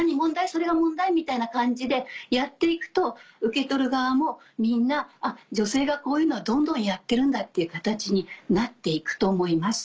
それが問題？みたいな感じでやって行くと受け取る側もみんな女性がこういうのをどんどんやってるんだっていう形になって行くと思います。